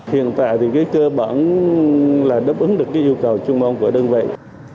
hiện tại cơ bản đáp ứng được yêu cầu chung mong của đơn vị